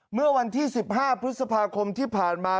เมื่อวันที่๑๕พฤษภาคมที่ผ่านมา